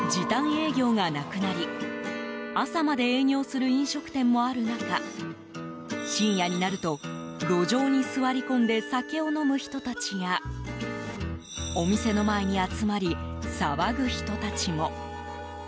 時短営業がなくなり朝まで営業する飲食店もある中深夜になると、路上に座り込んで酒を飲む人たちやお店の前に集まり騒ぐ人たちも。